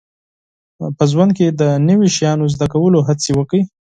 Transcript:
په ژوند کې د نوي شیانو زده کولو هڅې وکړئ